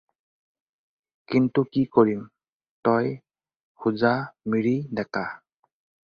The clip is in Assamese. কিন্তু কি কৰিম তই হোজা মিৰি ডেকা।